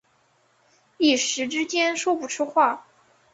一时之间说不出话